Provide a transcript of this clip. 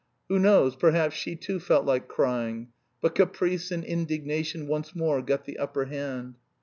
Who knows, perhaps, she too felt like crying. But caprice and indignation once more got the upper hand.